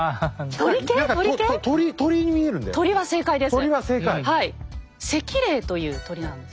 鳥は正解です。